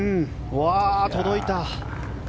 届いた！